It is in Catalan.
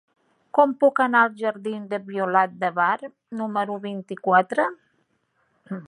Com puc anar als jardins de Violant de Bar número vint-i-quatre?